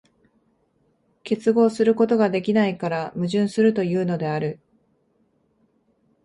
結合することができないから矛盾するというのである。